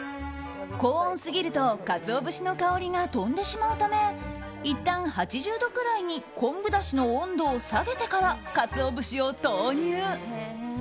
高温すぎるとカツオ節の香りが飛んでしまうためいったん８０度くらいに昆布だしの温度を下げてからカツオ節を投入。